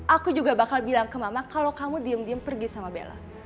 aku juga bakal bilang ke mama kalau kamu diem diem pergi sama bella